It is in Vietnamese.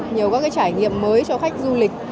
nhiều các trải nghiệm mới cho khách du lịch